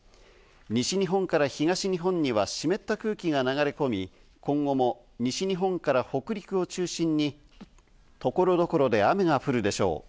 西日本から東日本には湿った空気が流れ込み、今後も西日本から北陸を中心に所々で雨が降るでしょう。